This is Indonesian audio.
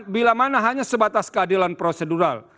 bila mana hanya sebatas keadilan prosedural